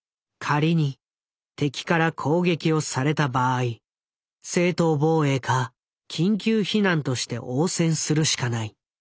仮に敵から攻撃をされた場合正当防衛か緊急避難として応戦するしかない。